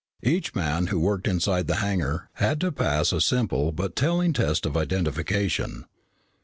Each man who worked inside the hangar had to pass a simple but telling test of identification.